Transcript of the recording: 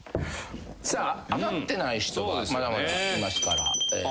さあ当たってない人がまだまだいますから。